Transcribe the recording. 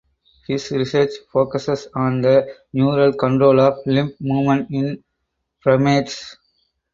His research focuses on the neural control of limb movement in primates.